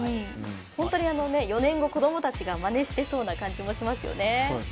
本当に４年後子どもたちがまねしてそうな感じもしますよね。